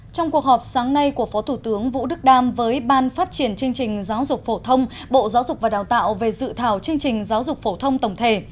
trong cuộc họp sáng nay của phó thủ tướng vũ đức đam với ban phát triển chương trình giáo dục phổ thông bộ giáo dục và đào tạo về dự thảo chương trình giáo dục phổ thông tổng thể